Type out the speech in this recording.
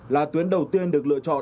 là tuyến đầu tiên được lựa chọn